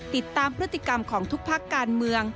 ติดตามพฤติกรรมของทุกพักการเมือง